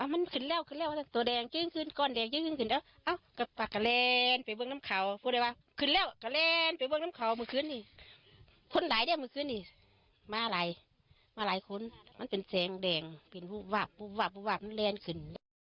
มันเป็นแสงแดงเป็นปุบับปุบับปุบับแลนขึ้น